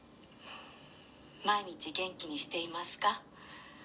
「毎日元気にしていますか？」